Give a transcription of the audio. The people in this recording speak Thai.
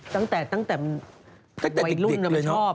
ตั้งแต่ตั้งแต่วัยรุ่นแล้วมันชอบ